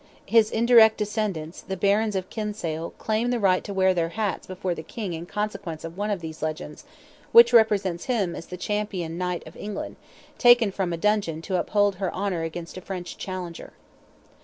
His indirect descendants, the Barons of Kinsale, claim the right to wear their hats before the King in consequence of one of these legends, which represents him as the champion Knight of England, taken from, a dungeon to uphold her honour against a French challenger.